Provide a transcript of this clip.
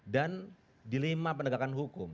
dan dilema pendegakan hukum